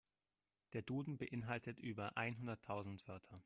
Der Duden beeinhaltet über einhunderttausend Wörter.